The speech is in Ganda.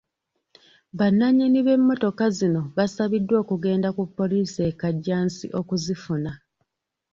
Bannanyini b'emotoka zino basaabiddwa okugenda ku poliisi e Kajjansi okuzifuna.